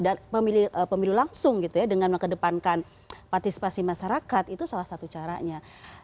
dan pemilu langsung gitu ya dengan mengkedepankan partisipasi masyarakat itu salah satu caranya